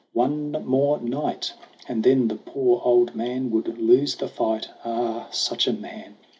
'One more night, And then the poor old man would lose the fight Ah, such a man